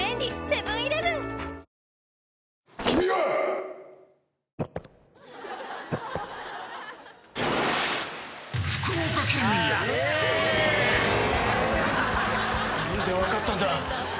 何でわかったんだ！？